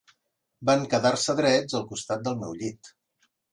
Van quedar-se drets al costat del meu llit